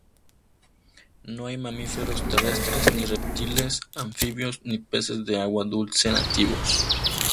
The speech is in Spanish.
No hay mamíferos terrestres, ni reptiles, anfibios, ni peces de agua dulce nativos.